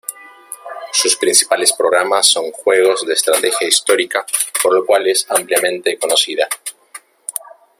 Sus principales programas son juegos de estrategia histórica por lo cual es ampliamente conocida.